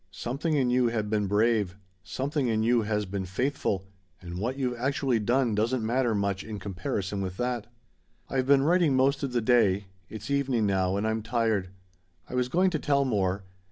Something in you had been brave; something in you has been faithful and what you've actually done doesn't matter much in comparison with that. "I've been writing most of the day. It's evening now, and I'm tired. I was going to tell more.